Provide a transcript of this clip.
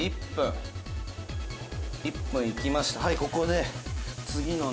「１分いきました」